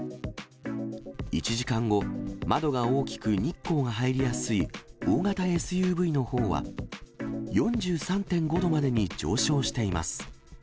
１時間後、窓が大きく日光が入りやすい大型ＳＵＶのほうは、４３．５度までに上昇しています。